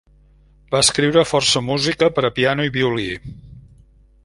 Va escriure força música per a piano i violí.